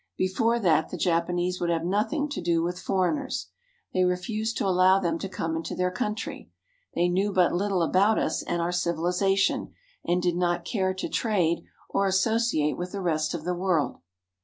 Before that the Japanese would have nothing to do with foreigners. They refused to allow them to come into their country. They knew but little about us and our civilization, and did not care to trade or associate with the rest of the world.